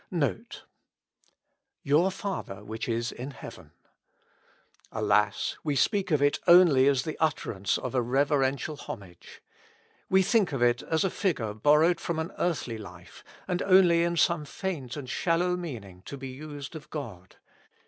NOTE.i " Yotir Father which is in heaven.''^ Alas ! we speak of it only as the utterance of a reverential homage. We think of it as a figure borrowed from an earthly life, and only in some faint and shallow meaning to be used of God.